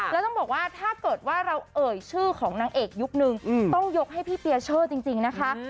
แต่ถ้าเรามาได้ชื่อของนางเอกยุคนึงต้องยกให้พี่เปียเช่อจริงนะคะ